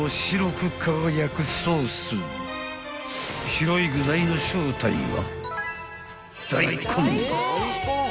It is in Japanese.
［白い具材の正体は］